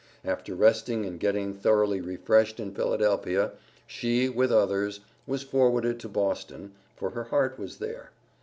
After resting and getting thoroughly refreshed in Philadelphia, she, with others, was forwarded to Boston, for her heart was there.